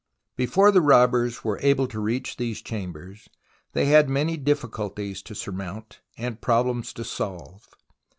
Before the robbers were able to reach these chambers, they had many difficulties to surmount and problems to solve.